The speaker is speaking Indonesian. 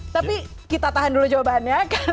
tapi kita tahan dulu jawabannya